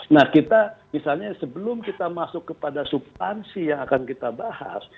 nah kita misalnya sebelum kita masuk kepada subtansi yang akan kita bahas